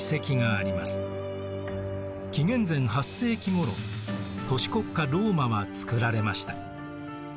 紀元前８世紀ごろ都市国家ローマはつくられました。